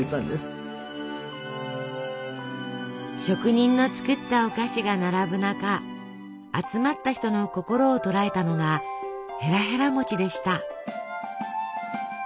職人の作ったお菓子が並ぶ中集まった人の心をとらえたのがへらへら餅でした。